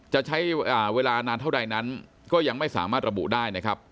จะใช้เวลานานเท่าใดนั้นก็ยังไม่สามารถระบุได้นะครับ